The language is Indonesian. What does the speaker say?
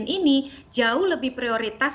ini jauh lebih prioritas